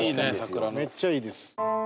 めっちゃいいです。